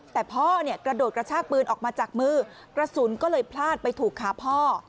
แต่พ่อเนี่ยกระโดดกระชากปืนออกมาจากมือกระสุนก็เลยพลาดไปถูกขาพ่อ